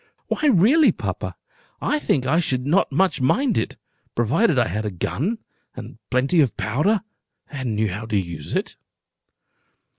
"Why really, papa, I think I should not much mind it, provided I had a gun, and plenty of powder, and knew how to use it."